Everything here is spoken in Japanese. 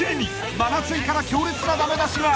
［真夏井から強烈なダメ出しが］